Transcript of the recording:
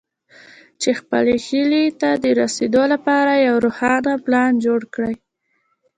چې خپلې هيلې ته د رسېدو لپاره يو روښانه پلان جوړ کړئ.